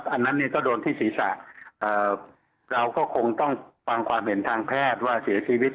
อันนั้นเนี่ยก็โดนที่ศีรษะเราก็คงต้องฟังความเห็นทางแพทย์ว่าเสียชีวิต